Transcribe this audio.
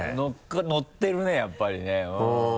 ノってるねやっぱりねうん。